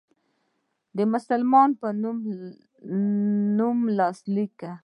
د مسلمان په نوم لاسلیک کړ.